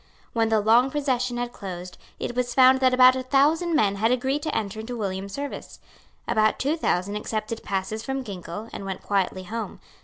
When the long procession had closed, it was found that about a thousand men had agreed to enter into William's service. About two thousand accepted passes from Ginkell, and went quietly home.